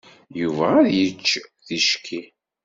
Yuba ad yečč ticki.